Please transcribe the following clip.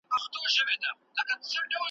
اوس پر څه دي جوړي کړي غلبلې دي ,